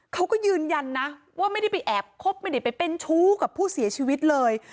เขาก็ยืนยันนะว่าไม่ได้ไปแอบคบไม่ได้ไปเป็นชู้กับผู้เสียชีวิตเลย